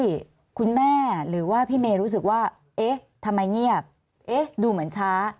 ที่คุณแม่หรือว่าพี่เมย์รู้สึกว่าเอ๊ะทำไมเงียบเอ๊ะดูเหมือนช้า